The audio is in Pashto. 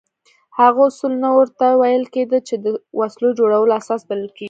هغه اصول نه ورته ویل کېده چې د وسلو جوړولو اساس بلل کېږي.